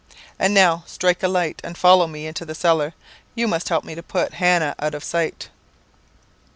And now, strike a light and follow me into the cellar. You must help me to put Hannah out of sight.'